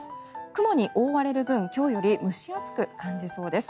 雲に覆われる分今日より蒸し暑く感じそうです。